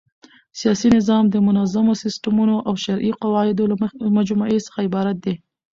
سیاسي نظام د منظمو سيسټمو او شرعي قواعدو له مجموعې څخه عبارت دئ.